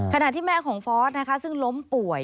ขณะที่แม่ของฟอสซ์ล้มป่วย